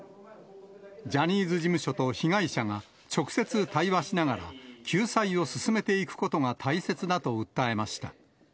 ジャニーズ事務所と被害者が直接対話しながら、救済を進めていくことが大切だと訴えました。